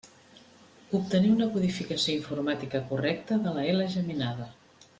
Obtenir una codificació informàtica correcta de la ela geminada.